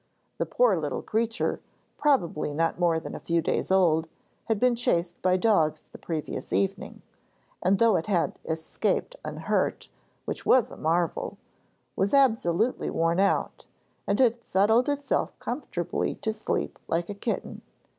The poor little creature probably not more than a few days old had been chased by dogs the previous evening, and though it had escaped unhurt, which was a marvel, was absolutely worn out, and had settled itself comfortably to sleep like a kitten.